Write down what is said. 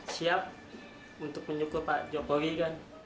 siap untuk menyukur pak jokowi kan